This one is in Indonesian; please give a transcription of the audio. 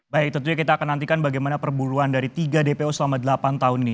baik tentunya kita akan nantikan bagaimana perburuan dari tiga dpo selama delapan tahun ini